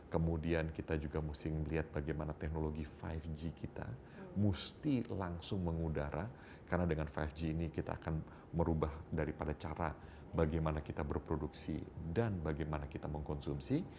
kemudian kita juga mesti melihat bagaimana teknologi lima g kita mesti langsung mengudara karena dengan lima g ini kita akan merubah daripada cara bagaimana kita berproduksi dan bagaimana kita mengkonsumsi